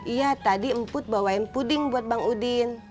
iya tadi emput bawain puding buat bang udin